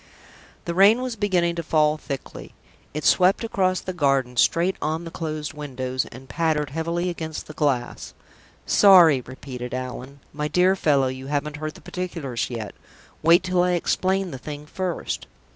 The rain was beginning to fall thickly. It swept across the garden, straight on the closed windows, and pattered heavily against the glass. "Sorry!" repeated Allan. "My dear fellow, you haven't heard the particulars yet. Wait till I explain the thing first."